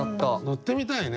乗ってみたい。